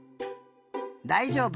だいじょうぶ！